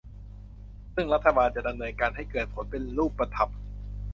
ซึ่งรัฐบาลจะดำเนินการให้เกิดผลเป็นรูปธรรม